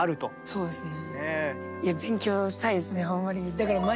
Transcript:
そうですね。